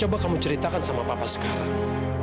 coba kamu ceritakan sama papa sekarang